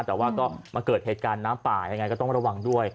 แต่ว่าก็มาเกิดเหตุการณ์น้ำป่ายังไงก็ต้องระวังด้วย